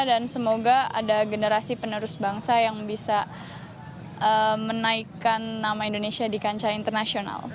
semoga ada generasi penerus bangsa yang bisa menaikkan nama indonesia di kancah internasional